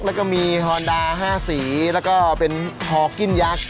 แล้วก็มีฮอนดา๕สีแล้วก็เป็นฮอกกินยักษ์